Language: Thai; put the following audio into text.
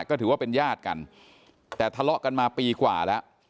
ก็ถือว่าเป็นญาติกันแต่ทะเลาะกันมาปีกว่าแล้ว